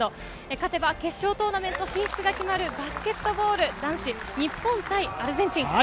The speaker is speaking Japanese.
勝てば決勝トーナメント進出が決まるバスケットボール男子、日本対アルゼンチン。